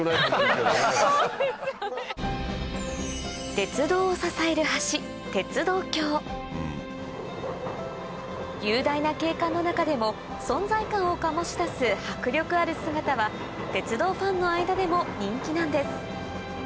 鉄道を支える橋雄大な景観の中でも存在感を醸し出す迫力ある姿は鉄道ファンの間でも人気なんです